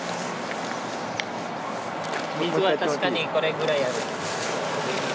水は確かにこれぐらいありました。